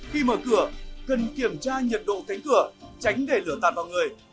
khi mở cửa cần kiểm tra nhiệt độ cánh cửa tránh để lửa tạt vào người